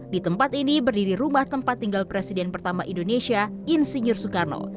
di tempat ini berdiri rumah tempat tinggal presiden pertama indonesia insinyur soekarno